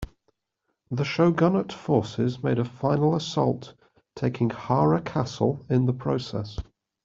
The Shogunate forces made a final assault, taking Hara Castle in the process.